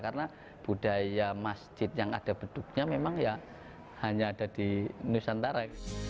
karena budaya masjid yang ada beduknya memang hanya ada di nusantara